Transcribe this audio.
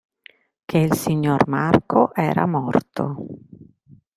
Che il signor Marco era morto.